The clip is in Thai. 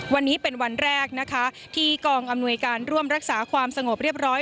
วันนี้เป็นวันแรกนะคะที่กองอำนวยการร่วมรักษาความสงบเรียบร้อย